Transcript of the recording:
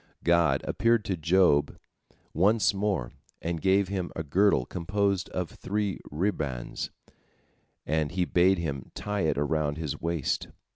God appeared to Job once more, and gave him a girdle composed of three ribands, and he bade him tie it around his waist.